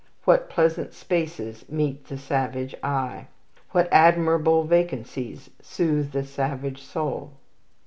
What pleasant spaces meet the savage eye! What admirable vacancies soothe the savage soul!